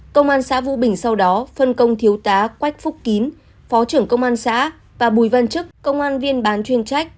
công an xã vũ bình sau đó phân công thiếu tá quách phúc kín phó trưởng công an xã và bùi văn chức công an viên bán chuyên trách